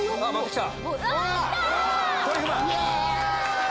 きた！